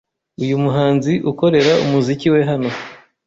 Uyu muhanzi ukorera umuziki we hano